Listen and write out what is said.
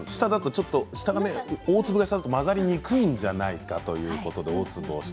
大粒が下だと混ざりにくいんじゃないかということで大粒を下。